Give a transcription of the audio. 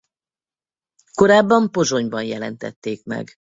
Korábban Pozsonyban jelentették meg.